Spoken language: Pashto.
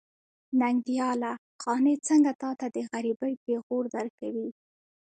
ننګياله! قانع څنګه تاته د غريبۍ پېغور درکوي.